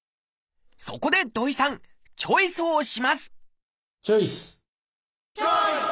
そこで土井さんチョイスをしますチョイス！